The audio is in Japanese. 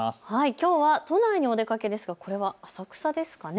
きょうは都内にお出かけですが、これは浅草ですかね。